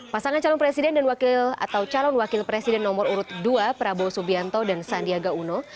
pasangan calon presiden dan wakil atau calon wakil presiden nomor urut dua prabowo subianto dan sandiaga uno